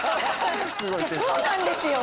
そうなんですよ！